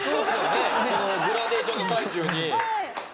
グラデーションの最中に。